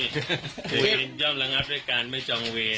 เยี่ยมยอมระงับด้วยการไม่จองเวร